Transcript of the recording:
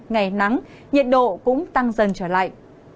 ngày nắng nhiệt độ cũng tăng dần trở lại